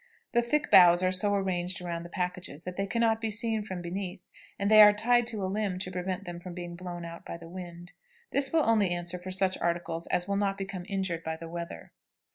The thick boughs are so arranged around the packages that they can not be seen from beneath, and they are tied to a limb to prevent them from being blown out by the wind. This will only answer for such articles as will not become injured by the weather.